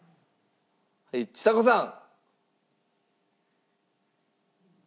はいちさ子さん！